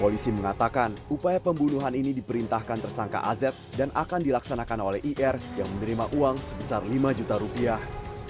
polisi mengatakan upaya pembunuhan ini diperintahkan tersangka az dan akan dilaksanakan oleh ir yang menerima uang sebesar lima juta rupiah